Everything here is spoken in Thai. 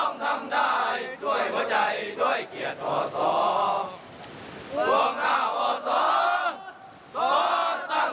อันสูตรสามนาวคุณผู้ถึงเลี้ยมสำรึงแห่งอวัดรุเวียน